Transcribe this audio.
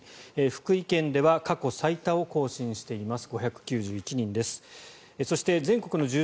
福井県では過去最多を更新しています。